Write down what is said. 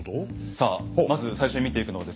さあまず最初に見ていくのはですね